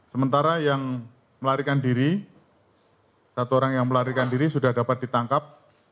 sementara yang melarikan diri satu orang yang melarikan diri sudah dapat ditangkap